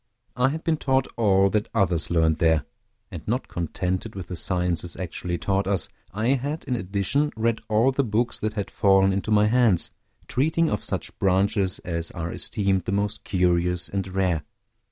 I had been taught all that others learned there; and not contented with the sciences actually taught us, I had, in addition, read all the books that had fallen into my hands, treating of such branches as are esteemed the most curious and rare.